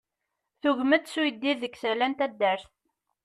Tugem-d s uyeddid deg tala n taddart.